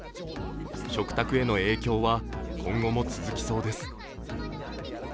食卓への影響は今後も続きそうです。